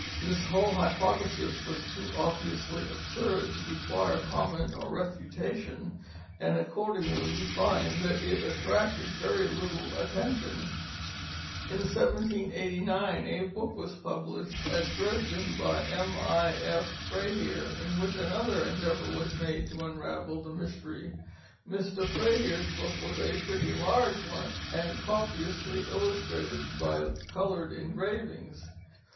This whole hypothesis was too obviously absurd to require comment, or refutation, and accordingly we find that it attracted very little attention. In 1789 a book was published at Dresden by M. I. F. Freyhere in which another endeavor was made to unravel the mystery. Mr. Freyhere's book was a pretty large one, and copiously illustrated by colored engravings.